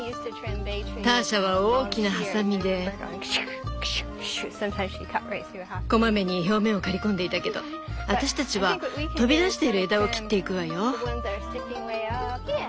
ターシャは大きなハサミで小まめに表面を刈り込んでいたけど私たちは飛び出している枝を切っていくわよ。